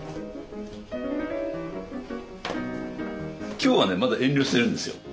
今日はねまだ遠慮してるんですよ。